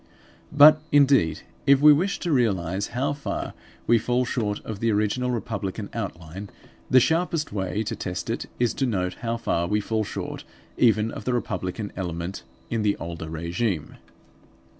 But, indeed, if we wish to realise how far we fall short of the original republican outline, the sharpest way to test it is to note how far we fall short even of the republican element in the older regime.